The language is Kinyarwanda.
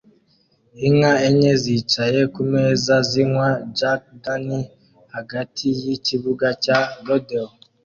Inka enye zicaye kumeza zinywa Jack Daniels hagati yikibuga cya rodeo